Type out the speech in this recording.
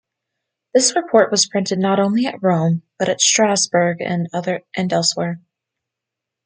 This report was printed not only at Rome, but at Strasburg and elsewhere.